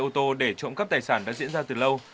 ô tô để trộm cắp tài sản đã diễn ra từ lâu